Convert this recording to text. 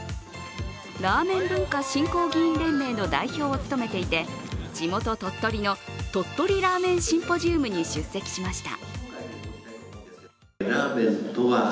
ラーメン文化振興議員連盟の代表を務めていて地元・鳥取の鳥取ラーメンシンポジウムに出席しました。